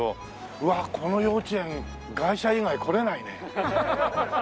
うわーこの幼稚園外車以外来れないね。